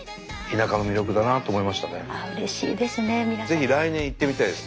ぜひ来年行ってみたいです